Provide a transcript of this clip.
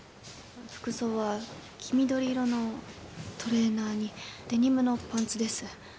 服装は黄緑色のトレーナーにデニムのパンツです